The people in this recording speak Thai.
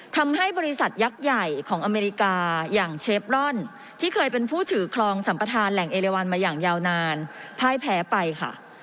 ทำให้บริษัทยักษ์ใหญ่ของอเมริกาอย่างเชฟรอนที่เคยเป็นผู้ถือคลองสัมประธานแหล่งเอเรวันมาอย่างยาวนานพ่ายแพ้ไปค่ะ